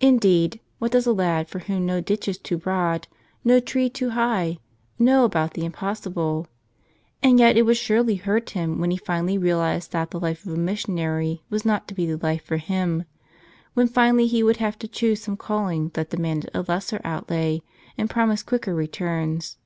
Indeed, what does a lad for whom no ditch is too broad, no tree too high, know about the impossible? And yet it would surely hurt him when he finally realized that the life of a missionary was not to be the life for him, when finally he would have to choose some calling that demanded a lesser outlay and promised quicker returns.